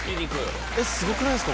すごくないですか？